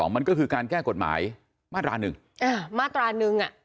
มันก็คือการแก้กฎหมายมาตราหนึ่ง